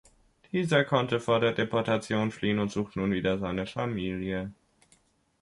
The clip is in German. Dieser konnte vor der Deportation fliehen und sucht nun wieder seine Familie.